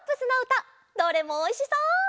どれもおいしそう！